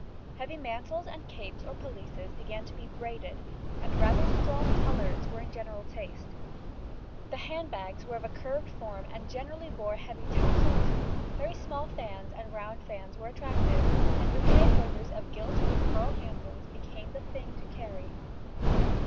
Heavy mantles and capes or pelisses began to be braided, and rather strong colours were in general taste. The hand bags were of a curved form and generally bore heavy tassels. Very small fans and round fans were attractive, and bouquet holders of gilt, with pearl handles, became the thing to carry.